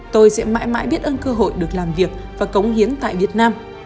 tôi sẽ mãi mãi biết ơn cơ hội được làm việc và cống hiến tại việt nam